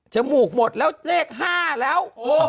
มูกหมดแล้วเลข๕แล้ว